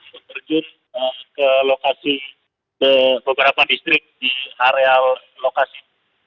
datang ke lokasi beberapa distrik di area lokasi ini